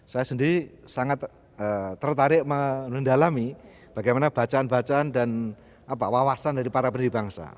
saya sendiri sangat tertarik mendalami bagaimana bacaan bacaan dan wawasan dari para pendiri bangsa